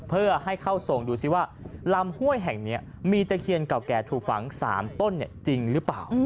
เพื่อให้เข้าทรงดูซิว่าลำห้วยแห่งนี้มีตะเคียนเก่าแก่ถูกฝัง๓ต้นจริงหรือเปล่า